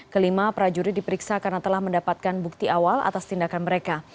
kelima prajurit diperiksa karena telah mendapatkan bukti awal atas tindakan mereka